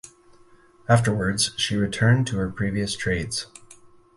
Afterwards she returned to her previous trades.